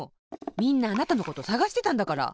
みんなあなたのことさがしてたんだから。